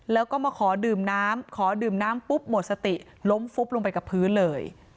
แล้วก็มาขอดื่มน้ำขอดื่มน้ำปุ๊บหมดสติล้มฟุบลงไปกับพื้นเลย